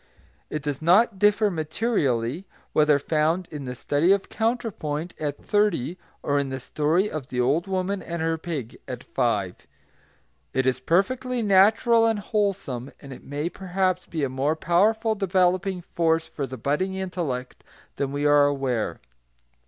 It does not differ materially, whether found in the study of counterpoint, at thirty, or in the story of the old woman and her pig, at five. It is perfectly natural and wholesome, and it may perhaps be a more powerful developing force for the budding intellect than we are aware.